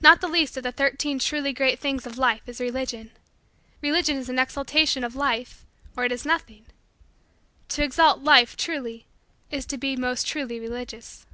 Not the least of the Thirteen Truly Great Things of Life is Religion. Religion is an exaltation of Life or it is nothing. To exalt Life truly is to be most truly religious.